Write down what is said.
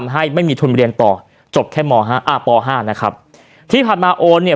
ให้ไม่มีทุนบริเวณต่อจบแค่ปห้านะครับที่ผ่านมาโอนเนี่ย